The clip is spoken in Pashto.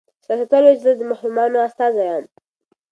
سیاستوال وویل چې زه د محرومانو استازی یم.